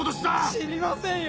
知りませんよ！